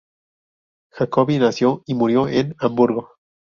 Jacobi nació y murió en Hamburgo.